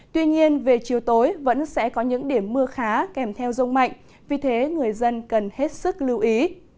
tuy nhiên về chiều tối vẫn sẽ có những điểm mưa khá kèm theo rông mạnh vì thế người dân cần hết sức lưu ý